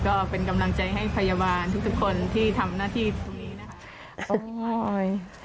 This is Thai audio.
ก็เป็นกำลังใจให้พยาบาลทุกทุกคนที่ทำหน้าที่ตรงนี้นะคะ